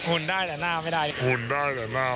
หุ่นได้แต่หน้าไม่ได้